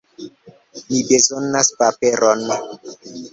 Mi bezonas paperon